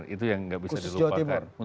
itu yang nggak bisa dilupakan